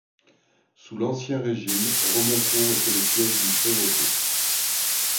Sous l'Ancien Régime, Remoncourt était le siège d'une prévôté.